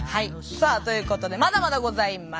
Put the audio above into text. さあということでまだまだございます。